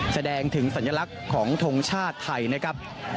แสดงถึงสัญลักษณ์ของทงชาติไทยนะครับ